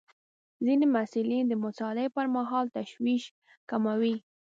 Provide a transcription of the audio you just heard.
ځینې محصلین د مطالعې پر مهال تشویش کموي.